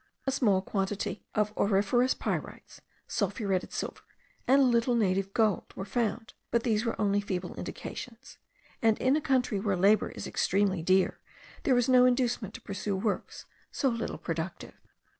A small quantity of auriferous pyrites, sulphuretted silver, and a little native gold, were found; but these were only feeble indications; and in a country where labour is extremely dear, there was no inducement to pursue works so little productive.